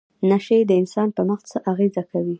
نشې د انسان په مغز څه اغیزه کوي؟